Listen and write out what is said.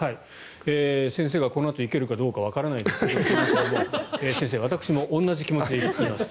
先生がこのあと行けるかどうかわからないと言っていましたが先生、私も同じ気持ちでいます。